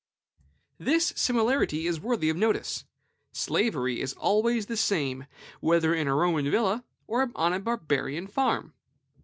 This similarity is worthy of notice. Slavery is always the same, whether in a Roman villa or on a Barbarian farm.